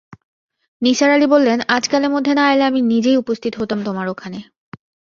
নিসার আলি বললেন, আজকালের মধ্যে না এলে আমি নিজেই উপস্থিত হতাম তোমার ওখানে।